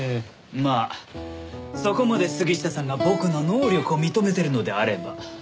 まあそこまで杉下さんが僕の能力を認めてるのであれば。